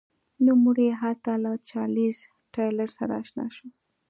نوموړی هلته له چارلېز ټایلر سره اشنا شو.